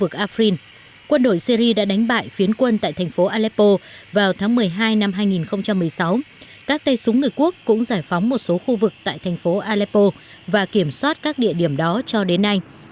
các tay súng người quốc cũng giải phóng một số khu vực tại thành phố aleppo và kiểm soát các địa điểm đó cho đến nay